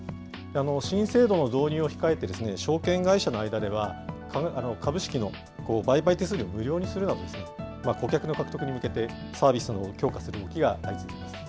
新制度の導入を控えて、証券会社の間では、株式の売買手数料を無料にするような、顧客の獲得に向けて、サービスを強化する動きが相次いでいます。